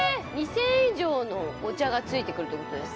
２０００円以上のお茶がついてくるってことですか？